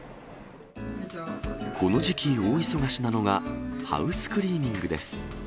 この時期、大忙しなのがハウスクリーニングです。